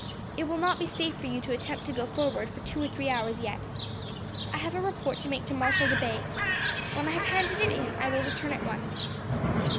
It will not be safe for you to attempt to go forward for two or three hours yet. I have a report to make to Marshal de Bay. When I have handed it in, I will return at once.